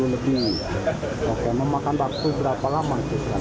satu ratus lima puluh lebih oke memakan batu berapa lama